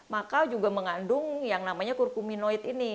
maka juga mengandung yang namanya kurkuminoid ini